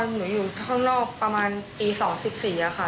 หนูอยู่ข้างนอกประมาณตี๒๑๔ค่ะ